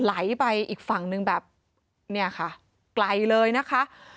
ไหลไปอีกฝั่งนึงแบบเนี่ยค่ะไกลเลยนะคะ